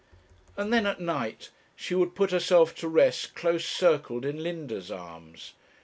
And then at night she would put herself to rest close circled in Linda's arms.